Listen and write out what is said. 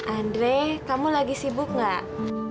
andre kamu lagi sibuk gak